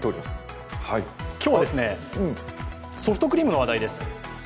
今日はソフトクリームの話題です。